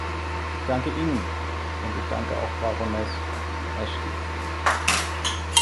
Ich danke Ihnen, und ich danke auch Baroness Ashton.